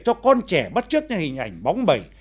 cho con trẻ bắt trước những hình ảnh bóng bẩy